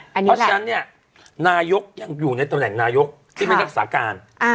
เพราะฉะนั้นเนี่ยนายกยังอยู่ในตำแหน่งนายกที่ไม่รักษาการ